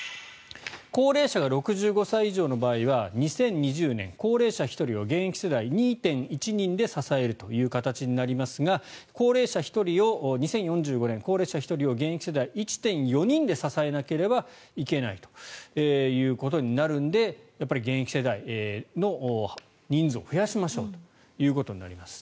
高齢者が６５歳以上の場合は２０２０年、高齢者１人を現役世代２．１人で支えるという形になりますが２０４５年、高齢者１人を現役世代１．４人で支えなければいけないということになるのでやっぱり現役世代の人数を増やしましょうということになります。